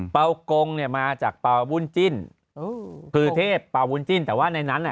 เปล่ากงเนี่ยมาจากเปล่าวุ่นจิ้นคือเทพเปล่าวุ่นจิ้นแต่ว่าในนั้นน่ะ